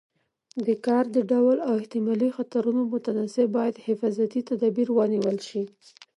د کار د ډول او احتمالي خطرونو متناسب باید حفاظتي تدابیر ونیول شي.